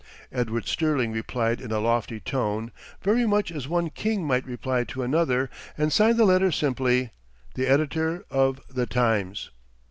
Edward Sterling replied in a lofty tone, very much as one king might reply to another, and signed the letter simply "The Editor of 'The Times.'"